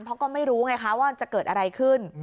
เพราะก็ไม่รู้ไงคะว่าจะเกิดอะไรขึ้น